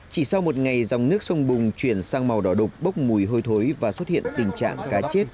chỉ sau một ngày dòng nước sông bùng chuyển sang màu đỏ đục bốc mùi hôi thối và xuất hiện tình trạng cá chết